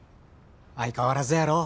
相変わらずやろ？